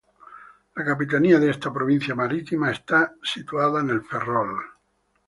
La capitanía de esta provincia marítima está situada en Ferrol.